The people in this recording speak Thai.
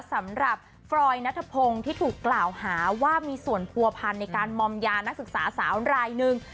สำหรับฟรอยนัทพงศ์ที่ถูกกล่าวหาว่ามีส่วนผัวพันธ์ในการมอมยานักศึกษาสาวรายหนึ่ง